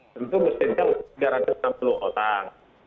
tentu mesinnya tiga ratus enam puluh orang